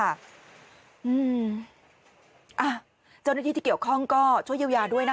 เจ้าหน้าที่ที่เกี่ยวข้องก็ช่วยเยียวยาด้วยนะคะ